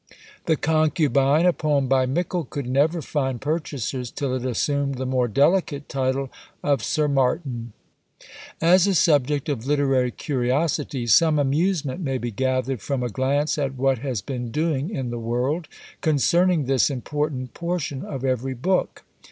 "The Concubine," a poem by Mickle, could never find purchasers, till it assumed the more delicate title of "Sir Martyn." As a subject of literary curiosity, some amusement may be gathered from a glance at what has been doing in the world, concerning this important portion of every book.